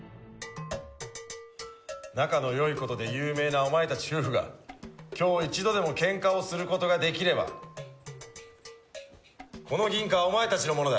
仲の良いことで有名なお前たち夫婦が今日一度でもケンカをすることができればこの銀貨はお前たちのものだ。